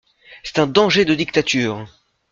C'est un danger de dictature!